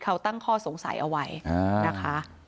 เขาตั้งข้อสงสัยเอาไว้นะคะ